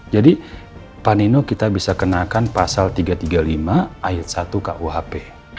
panino kita bisa kenakan pasal tiga ratus tiga puluh lima ayat satu kuhp